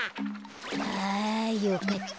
あよかった。